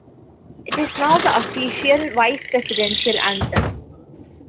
It is now the official Vice Presidential anthem.